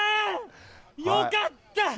よかった。